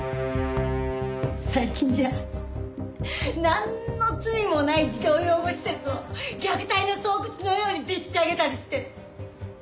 最近じゃなんの罪もない児童養護施設を虐待の巣窟のようにでっち上げたりして。